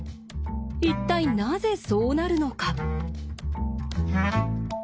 一体なぜそうなるのか。